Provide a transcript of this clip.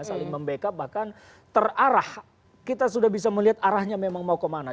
saling membackup bahkan terarah kita sudah bisa melihat arahnya memang mau kemana